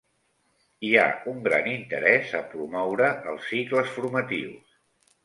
Hi ha un gran interès a promoure els cicles formatius.